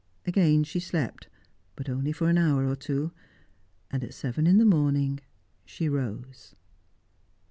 Again she slept, but only for an hour or two, and at seven in the morning she rose.